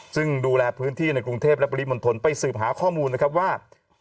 ซึ่งดูแลพื้นที่ในกรุงเทพและปริมณฑลไปสืบหาข้อมูลนะครับว่า